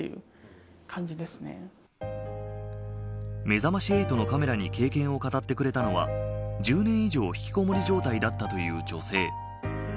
めざまし８のカメラに経験を語ってくれたのは１０年以上ひきこもり状態だったという女性。